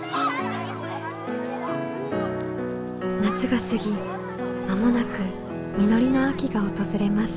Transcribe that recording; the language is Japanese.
夏が過ぎ間もなく実りの秋が訪れます。